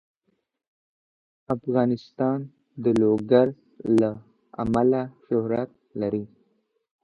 افغانستان د لوگر له امله شهرت لري.